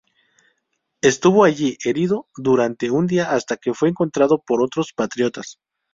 Estuvo allí, herido, durante un día hasta que fue encontrado por otros patriotas.